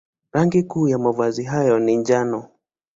Rangi kuu ya mavazi yao ni njano.